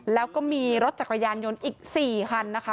แล้วก็มีรถจักรยานยนต์อีก๔คันนะคะ